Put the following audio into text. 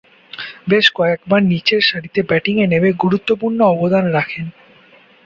বেশ কয়েকবার নিচেরসারিতে ব্যাটিংয়ে নেমে গুরুত্বপূর্ণ অবদান রাখেন।